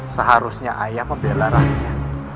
seharusnya ayah pembela raja